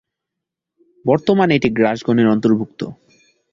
বর্তমান এটি গ্রাস গণের অন্তর্ভুক্ত।